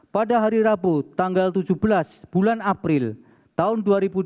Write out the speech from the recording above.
pada hari rabu tanggal tujuh belas bulan april tahun dua ribu dua puluh